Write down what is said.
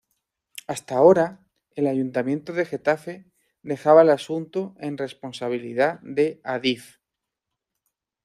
Hasta ahora, el ayuntamiento de Getafe dejaba el asunto en responsabilidad de Adif.